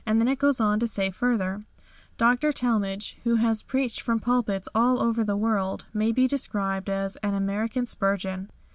Then it goes on to say further: "Dr. Talmage, who has preached from pulpits all over the world, may be described as an 'American Spurgeon.'